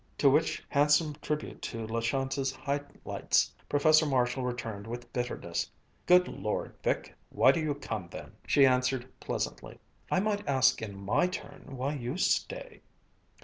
To which handsome tribute to La Chance's high lights, Professor Marshall returned with bitterness, "Good Lord, Vic, why do you come, then?" She answered pleasantly, "I might ask in my turn why you stay."